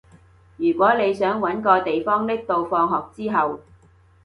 如果你想搵個地方匿到放學之後